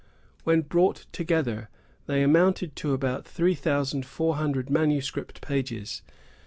When brought together, they amounted to about three thousand four hundred manuscript pages.